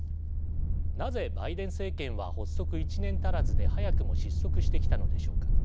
なぜバイデン政権は発足１年足らずで早くも失速してきたのでしょうか。